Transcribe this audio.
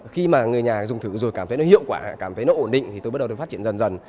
khi mà người nhà dùng thử rồi cảm thấy nó hiệu quả cảm thấy nó ổn định thì tôi bắt đầu được phát triển dần dần